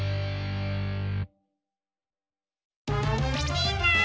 みんな！